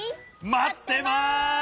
まってます。